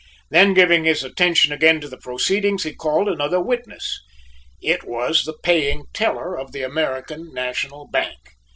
Then giving his attention again to the proceedings, he called another witness. It was the paying teller of the American National Bank.